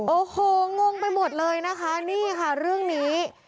โอ้โหงงไปหมดเลยนะคะนี่ค่ะเรื่องนี้